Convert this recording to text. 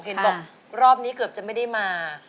เห็นบอกรอบนี้เกือบจะไม่ได้มา